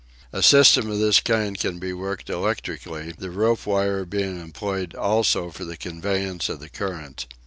A system of this kind can be worked electrically, the wire rope being employed also for the conveyance of the current.